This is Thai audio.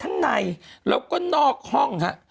ทั้งในแล้วก็นอกห้องฮะ